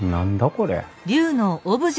これ。